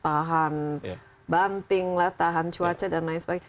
tahan banting lah tahan cuaca dan lain sebagainya